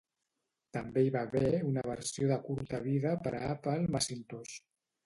També hi va haver una versió de curta vida per a Apple Macintosh.